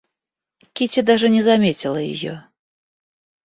Кити даже не заметила ее.